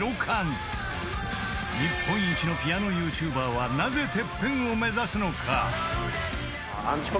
［日本一のピアノＹｏｕＴｕｂｅｒはなぜＴＥＰＰＥＮを目指すのか？］